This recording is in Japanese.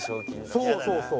そうそうそう。